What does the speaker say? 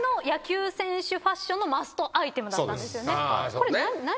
これ何。